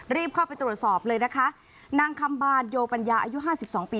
รีบเข้าไปตรวจสอบเลยนะคะนางคำบานโยปัญญาอายุห้าสิบสองปี